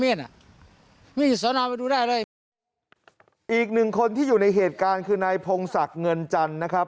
อีกหนึ่งคนที่อยู่ในเหตุการณ์คือนายพงศักดิ์เงินจันทร์นะครับ